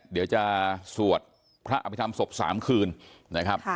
เดี๋ยวจะสวดพระไปทำศพ๓คืนนะครับ